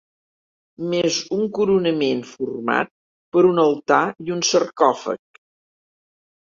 Més un coronament format per un altar i un sarcòfag.